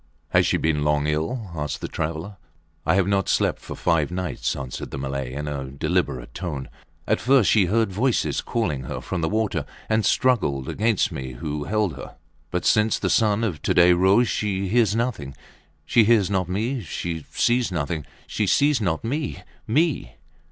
Has she been long ill? asked the traveller. I have not slept for five nights, answered the Malay, in a deliberate tone. At first she heard voices calling her from the water and struggled against me who held her. But since the sun of to day rose she hears nothing she hears not me. She sees nothing. She sees not me me!